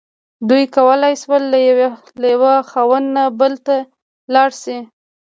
دوی کولی شول له یوه خاوند نه بل ته لاړ شي.